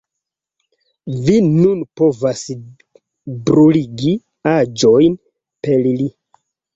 Vi nun povas bruligi aĵojn per li